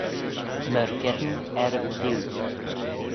Myrgeddin er y clieau.